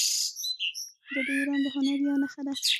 دا د ایران د هنر یوه نښه ده.